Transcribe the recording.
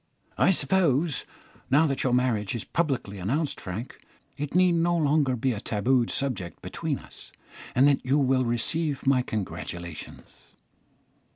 "I suppose, now that your marriage is publicly announced, Frank, it need no longer be a tabooed subject between us, and that you will receive my congratulations."